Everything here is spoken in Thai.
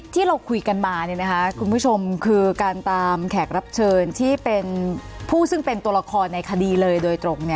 ที่เราคุยกันมาคุณผู้ชมคือการตามแขกรับเชิญที่เป็นผู้ซึ่งเป็นตัวละครในคดีเลยโดยตรง